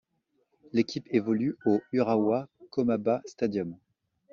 L'équipe évolue au Urawa Komaba Stadium.